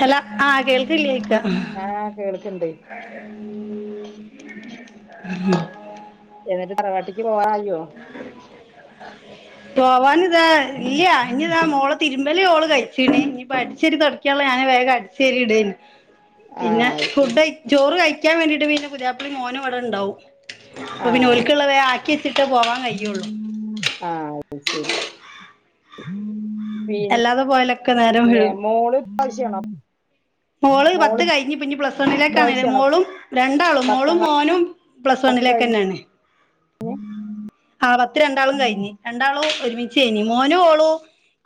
Hello ആഹ് കേൾക്കില്ലേ ആഹ് കേൾക്കിണ്ട് എന്നിട്ട് തറവാട്ടിക്ക് പോവാറയോ പോവാനിതാ ഇല്ല ഇനിതാ മോളെ തിരു മ്പൽ ഓള് കഴിച്ചീന് ഇനിയിപ്പ അടിച്ചേരി തുടക്കയള്ള ഞാന് വേഗം അടിച്ചേരി ഇടനെ പിന്നെ ആഹ് അത് ഫുഡ് ശരി കഴി ചോറ് കഴിക്കാൻ വേണ്ടിട്ട് പിന്നെ പുതിയാപ്പള്ളയും മോനും ഇവിടെ ഇണ്ടാവും അപ്പൊ പിന്നെ ആഹ് ഒല്ക്ള്ളെ വേ ആക്കി വെച്ചിട്ട് പോവാൻ കയുള്ളു ആഹ് അത് ശരി പി അല്ലാതെ പോയാലൊക്കെ നേരം പിന്നെ വഴുകും മോള് ഭഷണം മോള് പത്ത് കഴിഞ്ഞ് പിനി ഇനി പ്ലസ് വണ്ണിലേക്കാണില്ലേ ഇപ്രാവശ്യാണോ മോളും രണ്ടാളും മോളും പത്താം മോനും പ്ലസ് വൺ വണ്ണിലേക്ക് തന്നെയാണ് ഉം ആ പത്ത് രണ്ടാളും കഴിഞ്ഞ് രണ്ടാളും ഒരുമിച്ച് കഴിഞ്ഞ് മോനു ഓളു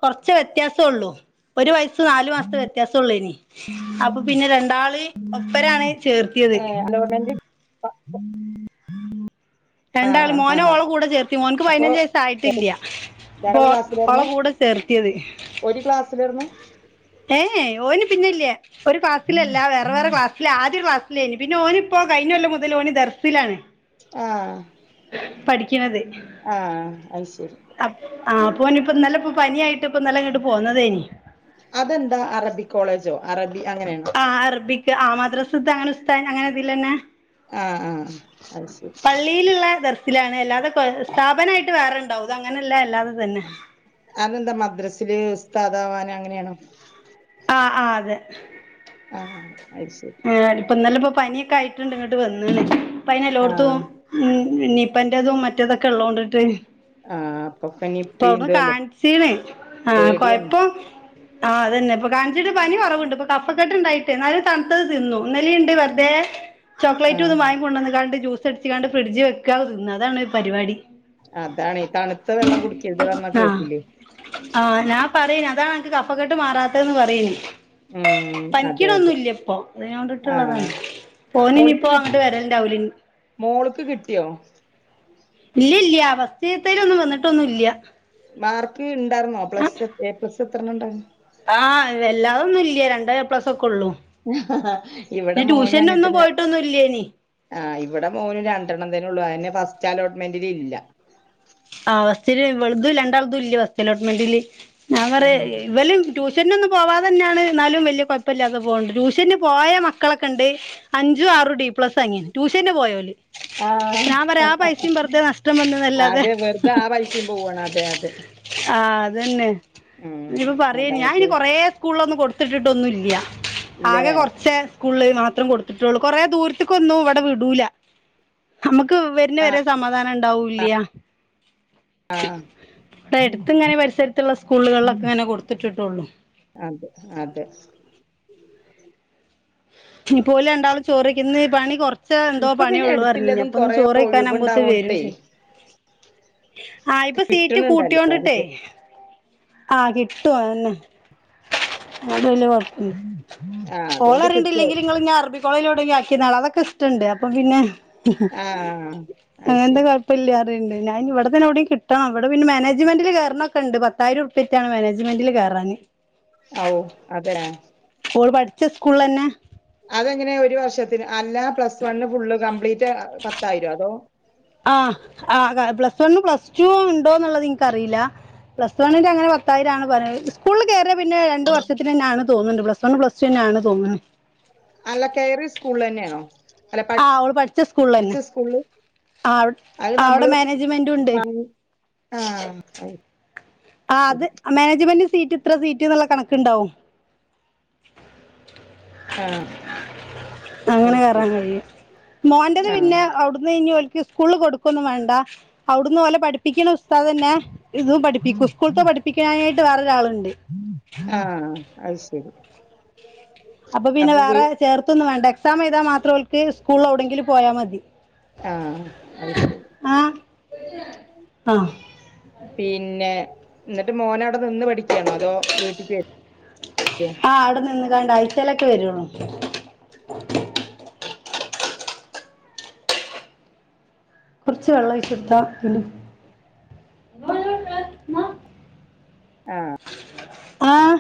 കൊറച്ച് വ്യത്യാസള്ളൂ ഒരു വയ സ്സ് നാല് മാസത്തെ വ്യത്യാസള്ളൂ ഇനി അപ്പൊ പിന്നെ രണ്ടാള് ഒപ്പരാണ് ചേർത്തിയത് ഏ അലോട്ട്മെന്റ് രണ്ടാളു ആഹ് മോന് ആഹ് ഓള കൂടെ ചേർത്തി മോന്ക്ക് അപ്പൊ പതിനഞ്ച് വയസ്സ് ആയിട്ടിലിയ പ്പോ രണ്ടാള് ഓള ക്ലാസ്സിലായിരുന്നു കൂടെ ചേർത്തിയത് ഒരു ക്ലാസ്സിലായിരുന്നു പിന്നല്ലേ ഒരു ക്ലസ്സിലല്ല വേറെ വേറെ ക്ലാസ്സില് ആദ്യ ക്ലാസ് പിന്നെ ഓനി ഇപ്പോ കഴിഞ്ഞ കൊല്ലാം മുതൽ ഓന് ദർസിലാണ് ആ പഠിക്കണത് അത് ശരി ആപ്പ് ആ ഓന് ഇപ്പ നല്ലപ്പ പനിയായിട്ട് ഇപ്പ നല്ല ഇങ്ങട്ട് പോന്നതാനി അതെന്താ അറബി കോളേജോ അറബി അങ്ങനെയാണ് ആ [unintelligible] ആ ആ അത് ശരി ത്തിലാണ് അല്ലാതെ സ്ഥാപനായിട്ട് വേറെ ഉണ്ടാവും അത് അങ്ങനെല്ല അല്ലാതെ തന്നെ താതാവാന അങ്ങനെയാണോ ആ ആ അതെ ആ അത് ശരി ഇപ്പൊ ഇന്നലെ ഇപ്പൊ പനിയൊക്കെ ആയിട്ടുണ്ട് ഇങ്ങോട്ട് വന്നെന്ന് ഇപ്പോ അതിന് ആഹ് എല്ലോടത്തും ഉം നിപ്പ മറ്റേതൊക്കെ ഉള്ളതോണ്ടിട്ട് ആ പേടിയാണ് [unintelligible] ആ തന്നെ ഇപ്പൊ കാണിച്ചിട്ട് പനി കുറവുണ്ട് ഇപ്പൊ കഫക്കെട്ട് ഉണ്ടായിട്ട് എന്നാലും തണുത്തത് തിന്നു ഇന്നലെയുണ്ട് വെറുതെ ചോക്ലേറ്റും ആഹ് ഇതും വാങ്ങി കൊണ്ടുവന്ന്ണ്ട് ജൂസ് അടിച്ച് കണ്ട് ഫ്രിഡ്ജി വെക്കാ തിന്ന അതാണ് ഒരു പരിപാടി അതാണ്ണേ തണുത്ത വെള്ളം കുടിക്കരുത് പറഞ്ഞാ ആ കേൾക്കുല്ല ആഹ് ഞാൻ പറയന് അതാണ് അനക്ക് കഫക്കെട്ട് മറാത്ത യിന് പറയേണ് ഉം പനി അതെ അതെ കണഒന്നുല്ല ഇപ്പൊ ആഹ് അതിനെണ്ടിട്ടുള്ളതാണ് ഓന് മോൾക്ക് ഇനിയിപ്പോ കി അങ്ങോട്ട് വെരൽ ഇനി മോൾക്ക് കിട്ടിയോ ഇല്ല ഇല്ല ഫസ്റ്റാതെല് വന്നിട്ടൊന്നും ഇല്ല മാർക്ക് ഇണ്ടായിരുന്നോ പ്ലസ്സ് എ പ്ലസ് എത്രണ ഉണ്ടാ ആ വല്ലാതൊന്നും ഇല്ല രണ്ടേ പ്ലസ് ഒക്കെ ഉള്ളൂ ഇവടെ പിന്നെ മോനു ട്യൂഷനൊന്നും അങ്ങനത്തെന്നെയ. പോയിട്ടൊന്നും ഇല്ലേനി ആ ഇവടെ മോനും രണ്ടെണ്ണം തന്നെ ഉള്ളു അയെന്നെ ഫസ്റ്റ് അലോട്ട്മെന്റില് ഇല്ല. ആ ഫസ്റ്റില് ഇവൾത് രണ്ടാൾതുല്ല ഫാസ്റ്റ് അലോട്ട്മെന്റില് ഞാൻ പറയ ഉം ഇവൽ ട്യൂഷ ട്യൂഷനൊന്നും പോവാതെന്നെന്നാണ് ന്നാലും വല്യാ കുഴപ്പല്ലാതെ പോണ്ട് ട്യൂ ഷന് പോയ മക്കളൊക്കെണ്ട് അഞ്ചും ആ ആറു ഡി പ്ലസ്സാങ്ങി ട്യൂഷന് പോയല്. ആഹ് ഞാൻ പറയ ആ പൈസിം വെറുതെ നഷ്ടം വന്നുതല്ലാതെ. അതെ വെറുതെ ആ പൈസിം പോവാണ് അതെ അതെ. അതെന്നെ ഉം ഇനിയിപ്പൊറിം അതാണ് ഞാൻ ഇനി കൊറെ സ്കൂളിലൊന്നും കൊടുത്തിട്ടിട്ടൊന്നും ഇല്ല്യ. ഇല്ല ആകെ ല്ലേ കുറച്ചേ സ്കൂള് മാത്രം കൊടുത്തിട്ടുള്ളൂ കൊറേ ദൂരത്തേക്കൊന്നും ഇവിടെ വിടൂല. നമ്മക്ക് വേര്ന്ന ആഹ് വരെ സമാധാനം ഉണ്ടാവൂല്ല്യ. ആഹ ഇവടെ എട്ത്ത് ഇങ്ങനെ പരിസരത്തുള്ള സ്കൂളുകളിലൊക്കെ ഇങ്ങനെ കൊടുത്തിട്ടിട്ടുള്ളൂ. അതെ അതെ. ഇഞ്ഞിപ്പോല് രണ്ടാളും ചോർവെക്കെന്ന് ഇന്ന് പണി കുറച്ച് ച്ച് എന്തോ ഇപ്പൊ പിന്നെ പണിയൊള്ളു അറിഞ്ഞീനിം എടുത്തില്ലതും അപ്പൊ ഇന്ന് കൊറേ ചോറ് വെയ്ക്കാൻ ആകുമ്പോത്തിനും വെരും ഒഴിവുണ്ടാവോണ്ടേ ചെയ്യും. ആ ഇപ്പൊ സീറ്റ് കിട്ടണണ്ടല്ലോ കൂട്ടിയോണ്ടിട്ടേ. ആ കിട്ടു അഹെന്നെ. [unintelligible] ആ ഓൾ അതുകൊണ്ട് പറയിണ്ട് കിട്ടും ഇല്ലെങ്കിൽ ഇങ്ങൾ ഇന്നേ അറബികോ [unintelligible] ആക്കിയെന്നള അതൊക്കെഷ്ട്ടണ്ട് അപ്പൊ പിന്നെ ആ അത് അങ്ങൻത്തെ ശരി കൊഴപ്പല്ല്യ. [unintelligible] ണ്ട് ഞാൻ ഇഞ്ഞി ഇവടെ തന്നെഒവിടിം കിട്ടണം ഇവടെ പിന്നെ മാനേജ്മെന്റിൽ കെർണഒക്കെണ്ട് പത് പതിയിര ഉർപ്യയെറ്റാണ് മാനേജ്മെന്റിൽ കേറാന്. ഔ അതെ. ഓൾ പഠിച്ച സ്കൂളിലെന്നെ. രു വർഷത്തിന് അല്ല പ്ലസ് വണ്ണ് ഫുള്ള് കംപ്ലീറ്റ് പത്തായിരോ അതോ ആഹ് ആഹ് പ്ലസ് വണ്ണും പ്ലസ് ടു ഇണ്ടോന്നിള്ളത് ഇൻക്കറീല. പ്ലസ് വണ്ണിന്റെ അങ്ങനെ പത്തായിരാണ് പറയല് സ്കൂളില് കേറി പിന്നെ രണ്ട് വർഷത്തിനെന്നെ ആണ് തോന്ന്ണ്ട് പ്ലസ് വൺ പ്ലസ് ടുനെന്നെ ആണ് തോന്ന്ണ്. അല്ല കേറിയ സ്കൂലിലെന്നേണോ അല്ല പടി ആഹ് അവള് പഠിച്ച പഠിച്ച സ്കൂളിലന്നെ സ്കൂളില്. ആഹ് അദ് അവിടെ നമ്മള് മാനേജ്മെന്റുണ്ട് [unintelligible] ആ അങ്ങ ആ അത് മാനേജ്മെന്റ് സീറ്റ് ത്ര സീറ്റ്ന്ന്ള്ള കണക്കുണ്ടാവും. ആ അങ്ങനെ അത് കയറാൻ ശരി കഴിയും മോന്റെത് ആ പിന്നെ അവുട്ന്ന് ഞ്ഞി ഓല് സ്കൂള് കൊടുക്കൊന്നും വേണ്ട അവുടന്ന് പോലെ പഠിപ്പിക്കുന്ന ഉസ്താദെന്നെ ഇതും പഠിക്കും സ്കൂളത്തെ പഠിപ്പിക്കാനായിട്ട് വേറെ ഒരാൾ ആ അത് ശരി അപ്പൊ പിന്നെ വേറെ ചേർത്തൊന്നും വേണ്ട എക്സാം എഴുതാൻ മാത്രം ഒൽക്ക് സ്കൂളിലെവിടെങ്കിലും പോയാ മതി. ആഹ് അഹ് ശെരി. ആഹ് ആഹ് പിന്നെ. ന്നട്ട് മോനവിടെ നിന്ന് പഠിക്ക്യയാണോ അതോ വീട്ട്ക്ക് വെ രോ [unintelligible] അഴ്ച്ചയിലൊക്കെ വരുള്ളു. കൊറച്ച് വെള്ളം ഇടുത്തോട്താ ആഹ്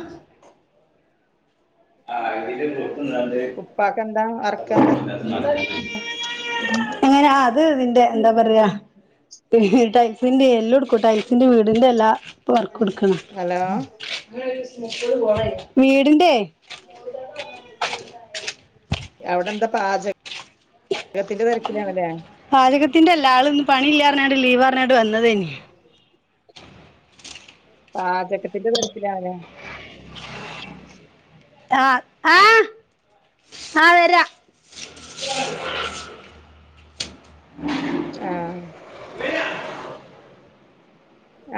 ആ ഉപ്പാക്കെന്താ വർക്കെന്താ [unintelligible] അങ്ങനെ ആ അത് ഇതിന്റെ എന്താ പറയാ പി ടൈൽസിന്റെ എല്ലാം എല്ലെട്ക്കും ടൈൽസിന്റെ വീടിന്റെ എല്ലാവർക് കൊട്ക്കണം ഹലോ വീടിന്റെ അവിടെ എന്താ പാചക? കത്തിന്റെ തിരക്കിലാണല്ലേ ത്തിന്റെല്ല ആൾ ഇന്ന് പണിയില്ലാ പറഞ്ഞാട്ട് ലീവ് പറഞ്ഞാട്ട് വന്നതേ പാചകത്തിന്റെ തിരക്കിലാലെ ആഹ് ആഹ ആ വരാ [inaudible] [inaudible] ആ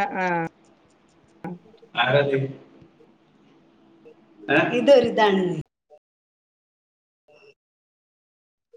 ആഹ ആഹ ആരാതി ഇതൊരിതാണ്